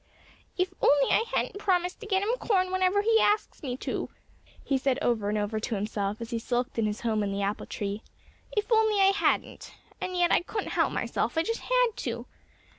"If only I hadn't promised to get him corn whenever he asks me to!" he said over and over to himself, as he sulked in his home in the apple tree. "If only I hadn't! And yet I couldn't help myself—I just had to.